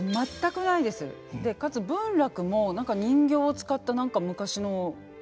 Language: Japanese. かつ文楽も何か人形を使った何か昔の劇？